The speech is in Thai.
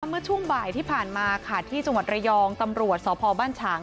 เมื่อช่วงบ่ายที่ผ่านมาค่ะที่จังหวัดระยองตำรวจสพบ้านฉาง